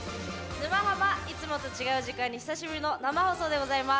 「沼ハマ」いつもと違う時間に久しぶりの生放送でございます。